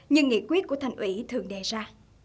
như nghị quyết của thành ủy thường đề ra